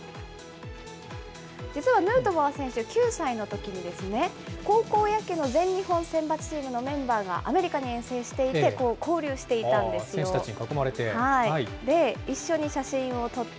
実はヌートバー選手、９歳のときに、高校野球の全日本選抜チームのメンバーがアメリカに遠征していて、選手たちに囲まれて。